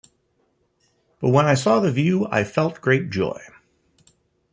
But when I saw the view, I felt great joy.